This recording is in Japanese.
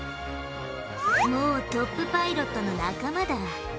もうトップ☆パイロットの仲間だ。